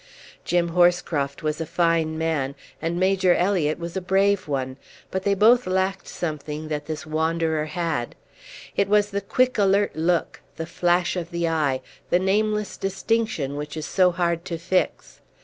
Jim Horscroft was a fine man, and Major Elliott was a brave one, but they both lacked something that this wanderer had. It was the quick alert look, the flash of the eye, the nameless distinction which is so hard to fix.